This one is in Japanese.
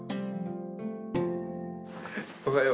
おはよう。